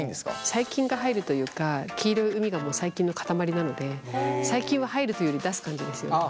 細菌が入るというか黄色い膿が細菌の塊なので細菌は入るというより出す感じですよね。